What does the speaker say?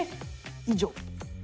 以上。